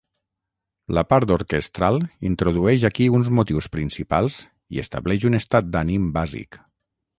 La part orquestral introdueix aquí uns motius principals i estableix un estat d'ànim bàsic.